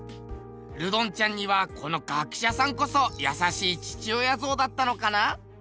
ルドンちゃんにはこの学者さんこそ優しい父親像だったのかな？